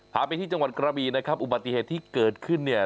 พาไปที่จังหวัดกระบีนะครับอุบัติเหตุที่เกิดขึ้นเนี่ย